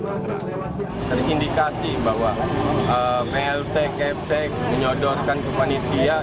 tangerang terindikasi bahwa plt kepek menyodorkan kepanisian